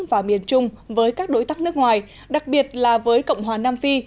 và miền trung với các đối tác nước ngoài đặc biệt là với cộng hòa nam phi